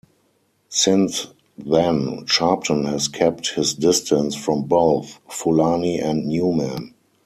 Since then, Sharpton has kept his distance from both Fulani and Newman.